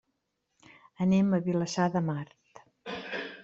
Anem a Vilassar de Mar.